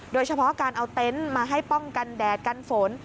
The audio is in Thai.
โดยเฉพาะการเอาเต็นต์มาให้ป้องกันแดดกันฝน